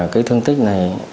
cái thương tích này